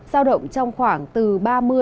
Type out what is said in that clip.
giao động trong khoảng từ ba mươi ba mươi năm độ